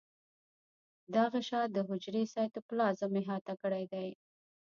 دا غشا د حجرې سایتوپلازم احاطه کړی دی.